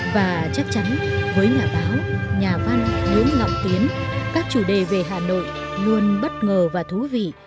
và chắc chắn với nhà báo nhà văn lưỡng lọng tiến các chủ đề về hà nội luôn bất ngờ và thú vị